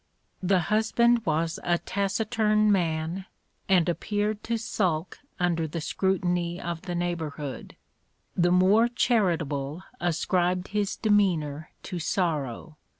The husband was a taciturn man, and appeared to sulk under the scrutiny of the neighbourhood. The more charitable ascribed his demeanour to sorrow.